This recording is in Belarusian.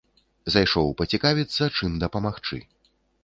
Зайшоў пацікавіцца чым дапамагчы.